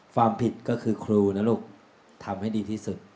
ความผิดก็คือครูนะลูกทำให้ดีที่สุด